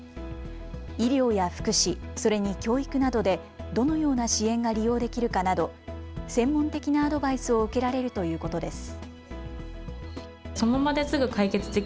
医療や福祉、それに教育などでどのような支援が利用できるかなど専門的なアドバイスを受けられるということです。